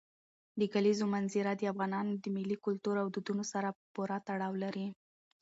د کلیزو منظره د افغانانو له ملي کلتور او دودونو سره پوره تړاو لري.